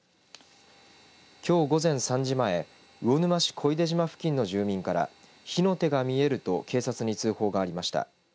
きょう午前３時前魚沼市小出島付近の住民から火の手が見えると警察に通報がありました。